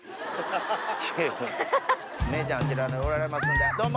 名人あちらにおられますんでどうも！